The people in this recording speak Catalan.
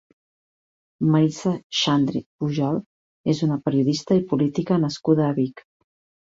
Marisa Xandri Pujol és una periodista i política nascuda a Vic.